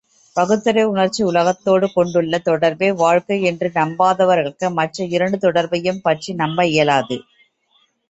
பகுத்தறிவு உணர்ச்சி உலகத்தோடு கொண்டுள்ள தொடர்பே வாழ்க்கை என்று நம்பாதவர்களுக்கு, மற்ற இரண்டு தொடர்புகளையும் பற்றி நம்ப இயலாது.